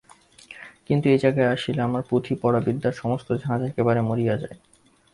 কিন্তু, এ জায়গায় আসিলে আমার পুঁথিপড়া বিদ্যার সমস্ত ঝাঁজ একেবারে মরিয়া যায়।